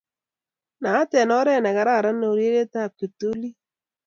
Naat eng' oret ne kararan urerietab kiptulit